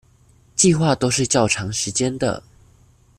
計畫都是較長時間的